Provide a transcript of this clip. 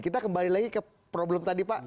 kita kembali lagi ke problem tadi pak